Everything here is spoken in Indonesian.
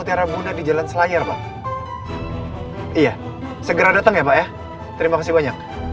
comprar wounded di jalan selayar pak iya segera dateng ya pak terima kasih banyak